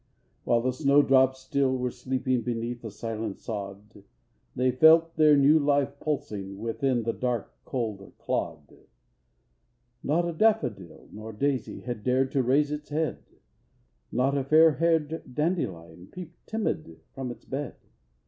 While the snow drops still were sleeping Beneath the silent sod; They felt their new life pulsing Within the dark, cold clod. Not a daffodil nor daisy Had dared to raise its head; Not a fairhaired dandelion Peeped timid from its bed; THE CROCUSES.